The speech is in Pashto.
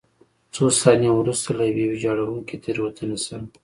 څو ثانیې وروسته له یوې ویجاړوونکې تېروتنې سره.